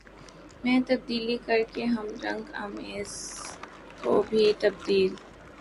میں تبدیلی کر کے ہم رنگ آمیزی کو بھی تبدیل